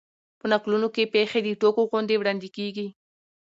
په نکلونو کښي پېښي د ټوګو غوندي وړاندي کېږي.